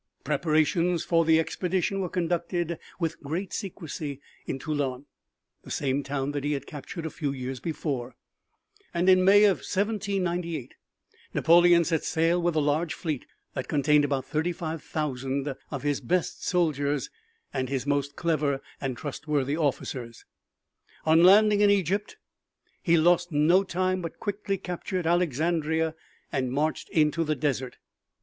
Preparations for the expedition were conducted with great secrecy in Toulon, the same town that he had captured a few years before, and in May, 1798, Napoleon set sail with a large fleet that contained about thirty five thousand of his best soldiers and his most clever and trustworthy officers. On landing in Egypt he lost no time, but quickly captured Alexandria and marched into the desert.